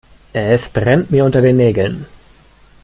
Es brennt mir unter den Nägeln.